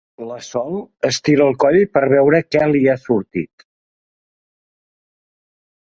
La Sol estira el coll per veure què li ha sortit.